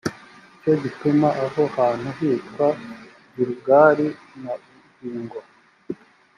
cyo gituma aho hantu hitwa gilugali na bugingo